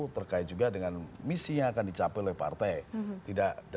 terkait juga dengan misi yang akan dicapai oleh partai